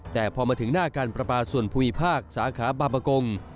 แต่พอมาถึงหน้าการประปาส่วนภูมิภาคสาขาบาปกง